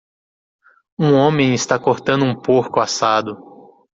Um homem está cortando um porco assado.